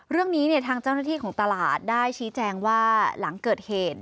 เรื่องนี้ทางเจ้าหน้าที่ของตลาดได้ชี้แจงว่าหลังเกิดเหตุ